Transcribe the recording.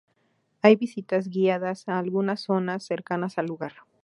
Hay visitas guiadas a algunas zonas cercanas al lugar.